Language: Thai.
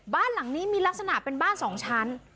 บ้านหลังนี้มีลักษณะเป็นบ้าน๒ชั้น